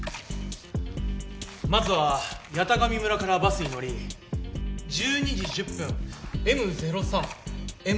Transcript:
まずは八咫神村からバスに乗り１２時１０分